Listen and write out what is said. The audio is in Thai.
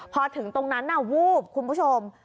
พอถึงตรงนั้นวูบคุณผู้ชม